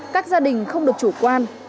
các gia đình không được chủ quan